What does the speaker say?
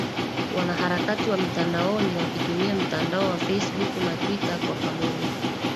wanaharakati wa mitandaoni wakitumia mtandao wa face book na twitter kwa pamoja